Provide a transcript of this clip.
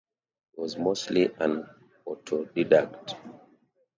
He was mostly an autodidact.